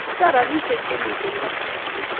Chang rapishek che miten kaa